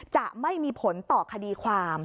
จะไม่มีผลต่อคดีความ